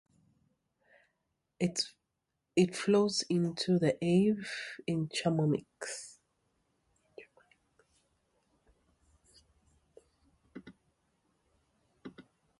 It flows into the Arve in Chamonix.